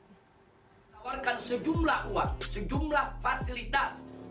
menawarkan sejumlah uang sejumlah fasilitas